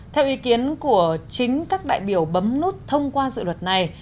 theo ý kiến của chính các đại biểu bấm nút thông qua dự luật này